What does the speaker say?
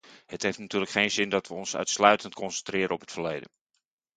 Het heeft natuurlijk geen zin dat we ons uitsluitend concentreren op het verleden.